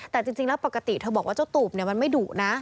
แต่จริงแล้วปกติเธอบอกว่าเจ้าตูบมันไม่ดุนะ